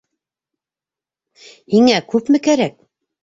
Һиңә күпме кәрәк?